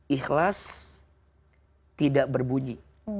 ikhlas tidak berbunyi